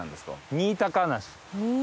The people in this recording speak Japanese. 新高梨！